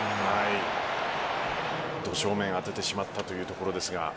ど正面当ててしまったというところですか。